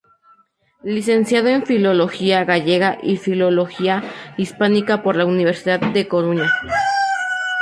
Licenciado en Filología Gallega y Filología Hispánica por la Universidad de la Coruña.